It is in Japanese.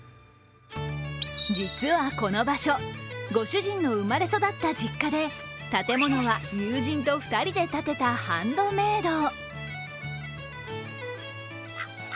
実はこの場所ご主人の生まれ育った実家で、建物は友人と２人で建てたハンドメード。